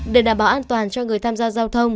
để đảm bảo an toàn cho người tham gia giao thông